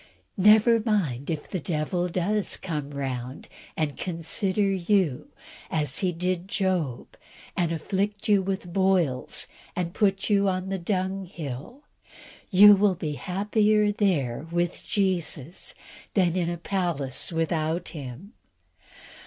Never mind if the devil does come round and "consider" you, as he did Job, and afflict you with boils, and put you upon the dunghill you will be happier there with Jesus than in a palace without Him.